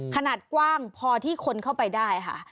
ขนาดกว้างพอที่คนเข้าไปได้ค่ะ